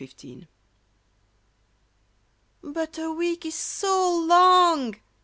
FIVE " But a week is so long !